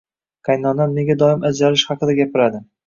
Qaynonam nega doim ajralish haqida gapiradi